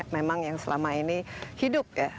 memang yang selama ini hidup ya